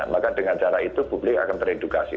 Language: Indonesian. maka dengan cara itu publik akan teredukasi